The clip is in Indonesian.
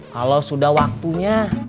kalau sudah waktunya